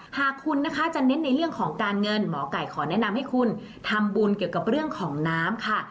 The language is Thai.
หากคุณนะคะจะเน้นในเรื่องของการเงินหมอไก่ขอแนะนำให้คุณทำบุญเกี่ยวกับเรื่องของน้ำค่ะ